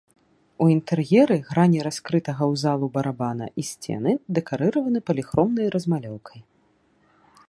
У інтэр'еры грані раскрытага ў залу барабана і сцены дэкарыраваны паліхромнай размалёўкай.